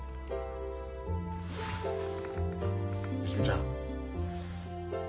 芳美ちゃん。